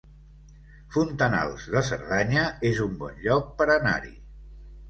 Fontanals de Cerdanya es un bon lloc per anar-hi